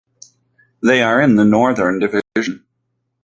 They are in the Northern Division.